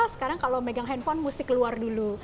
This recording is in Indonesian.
sekarang kalau megang handphone mesti keluar dulu